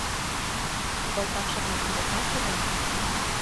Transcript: Йолташемын йолташыжын